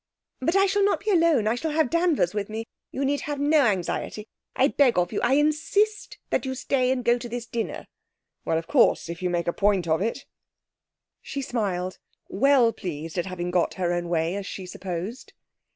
'But I shall not be alone. I shall have Danvers with me. You need have no anxiety. I beg of you, I insist, that you stay, and go to this dinner.' 'Well, of course, if you make a point of it ' She smiled, well pleased at having got her own way, as she supposed.